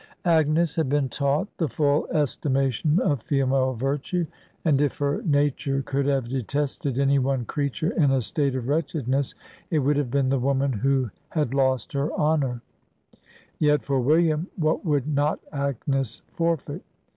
Agnes had been taught the full estimation of female virtue; and if her nature could have detested any one creature in a state of wretchedness, it would have been the woman who had lost her honour; yet, for William, what would not Agnes forfeit?